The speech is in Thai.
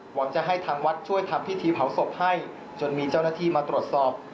หวังจะให้ทางวัดช่วยทำพิธีเผาศพให้จนมีเจ้าหน้าที่มาตรวจสอบ